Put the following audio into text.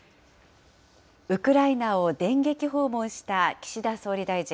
ウクライナを電撃訪問した岸田総理大臣。